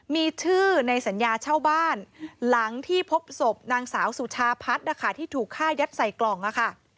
มีชื่อในสัญญาเช่าบ้านหลังที่พบศพนางสาวสุชาพัฒน์นะคะที่ถูกฆ่ายัดใส่กล่องค่ะ